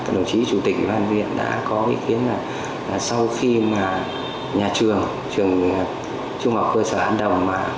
đồng chí chủ tịch ủy ban huyện đã có ý kiến là sau khi mà nhà trường trường trung học cơ sở an đồng